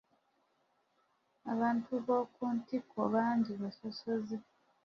Abantu b'oku ntikko bangi basosoze.